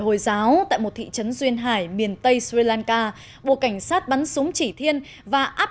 hồi giáo tại một thị trấn duyên hải miền tây sri lanka buộc cảnh sát bắn súng chỉ thiên và áp